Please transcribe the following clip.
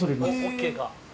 ＯＫか。